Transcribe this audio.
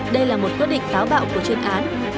đây là một quyết định táo bạo của trường hợp